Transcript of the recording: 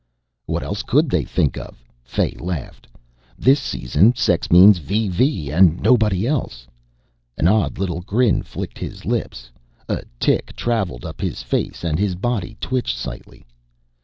"What else could they think of?" Fay laughed. "This season sex means VV and nobody else." An odd little grin flicked his lips, a tic traveled up his face and his body twitched slightly.